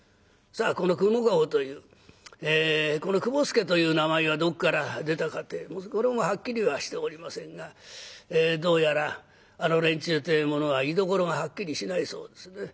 さあこのくも駕籠というこの雲助という名前はどっから出たかってこれもはっきりはしておりませんがどうやらあの連中というものは居所がはっきりしないそうですね。